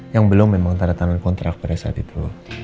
yang belum memang tanda tangan kontrak pada saat itu